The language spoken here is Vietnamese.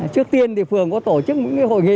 trước tiên thì phường có tổ chức những hội nghị